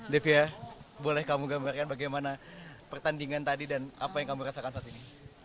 devia boleh kamu gambarkan bagaimana pertandingan tadi dan apa yang kamu rasakan saat ini